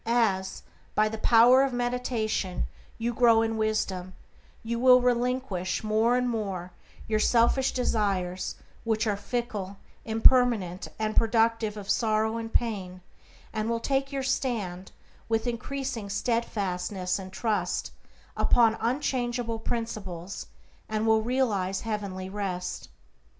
As, by the power of meditation, you grow in wisdom, you will relinquish, more and more, your selfish desires which are fickle, impermanent, and productive of sorrow and pain; and will take your stand, with increasing steadfastness and trust, upon unchangeable principles, and will realize heavenly rest.